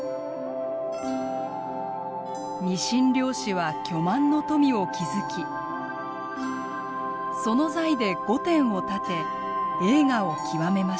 ニシン漁師は巨万の富を築きその財で御殿を建て栄華を極めました。